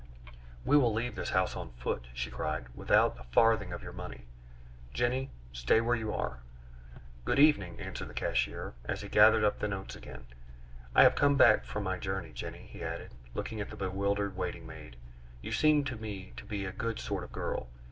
"We will leave this house on foot," she cried, "without a farthing of your money. Jenny, stay where you are." "Good evening!" answered the cashier, as he gathered up the notes again. "I have come back from my journey. Jenny," he added, looking at the bewildered waiting maid, "you seem to me to be a good sort of girl.